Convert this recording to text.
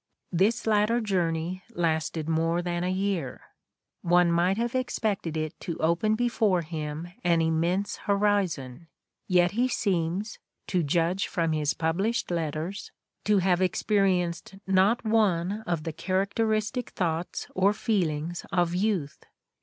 This latter journey lasted more than a year; one might have expected it to open before him an immense horizon; yet he seems, to judge from his published letters, to have experienced not one of the characteristic thoughts or feelings of youth.